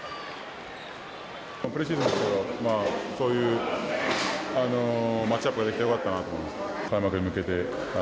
プレシーズンでそういうマッチアップができてよかったなと思います。